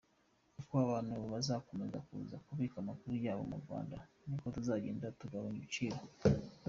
Uko abantu bazakomeza kuza kubika amakuru yabo mu Rwanda, niko tuzagenda tugabanya ibiciro.